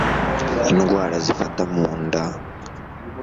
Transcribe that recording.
Indwara zifata mu nda